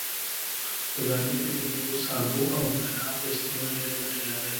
په ګرمي کي دميوو سابو او مايعاتو استعمال ډيره ګټه لرئ